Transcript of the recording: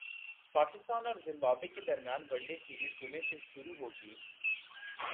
پاکستان اور زمبابوے کے درمیان ون ڈے سیریز جمعہ سے شروع ہوگی